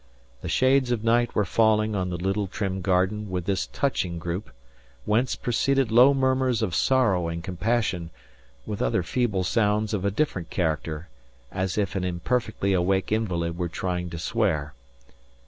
The shades of night were falling on the little trim garden with this touching group whence proceeded low murmurs of sorrow and compassion with other feeble sounds of a different character as if an imperfectly awake invalid were trying to swear.